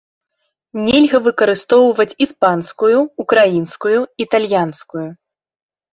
Нельга выкарыстоўваць іспанскую, украінскую, італьянскую.